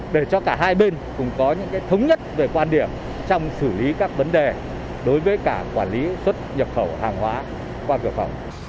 để cho cả hai bên cùng có những thống nhất về quan điểm trong xử lý các vấn đề đối với cả quản lý xuất nhập khẩu hàng hóa qua cửa khẩu